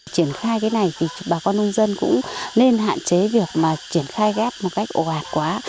triển khai cái này thì bà con nông dân cũng nên hạn chế việc mà triển khai ghép một cách ồ ạt quá